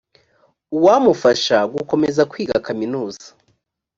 uwamufasha gukomeza kwiga kaminuza